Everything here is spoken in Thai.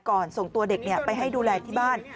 ส่งตัวเด็กไปให้ดูแลที่บ้าน